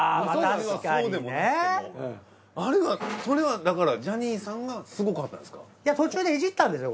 それはだからジャニーさんがすごかったんですか？